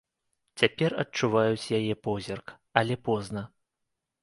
Цяпер адчуваюць яе позірк, але позна.